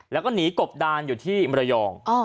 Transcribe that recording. แล้วก็หนีกบดานอยู่ที่มรยอง